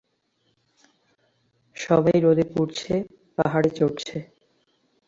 সবাই রোদে পুড়ছে, পাহাড়ে চড়ছে।